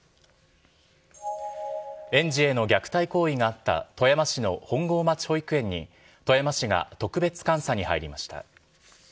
園児への虐待行為があった富山市の本郷町保育園に、富山市が特別監査に入りました。